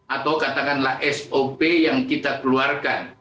atau katakanlah sop yang kita keluarkan